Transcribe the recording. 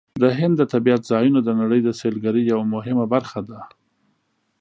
د هند د طبیعت ځایونه د نړۍ د سیلګرۍ یوه مهمه برخه ده.